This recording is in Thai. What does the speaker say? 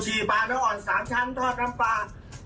ปลาน้ำอ่อน๓ชั้นทอดน้ำปลา